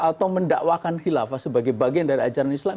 atau mendakwakan khilafah sebagai bagian dari ajaran islam